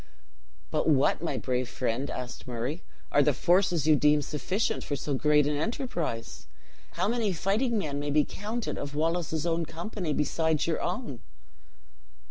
"But what, my brave friend," asked Murray, "are the forces you deem sufficient for so great an enterprise? How many fighting men may be counted of Wallace's own company, besides your own?"